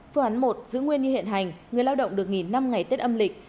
phương án một giữ nguyên như hiện hành người lao động được nghỉ năm ngày tết âm lịch